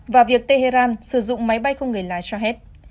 và việc tehran sử dụng máy bay không người lái shahed